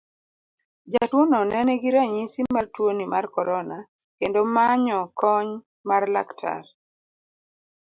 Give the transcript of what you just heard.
Jatuono ne nigi ranyisi mar tuoni mar korona kendo manyo kony mar laktar.